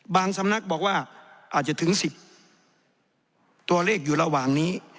สำนักบอกว่าอาจจะถึง๑๐ตัวเลขอยู่ระหว่างนี้